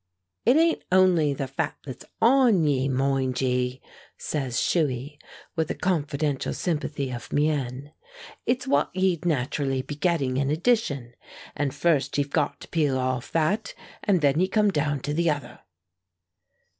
"It ain't only the fat that's on ye, moind ye," says Shuey, with a confidential sympathy of mien; "it's what ye'd naturally be getting in addition. And first ye've got to peel off that, and then ye come down to the other."